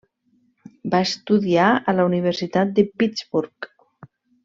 Va estudiar a la Universitat de Pittsburgh.